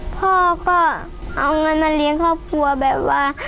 พ่อก็เอาเงินมาเลี้ยงครอบครัวแบบว่า